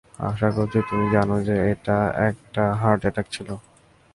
আশা করছি তুমি জানো যে এটা একটা হার্ট অ্যাটাক ছিল।